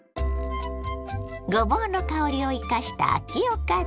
ごぼうの香りを生かした秋おかず。